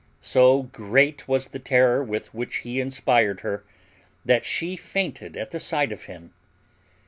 So great was the terror with which he inspired her that she fainted at the sight of him.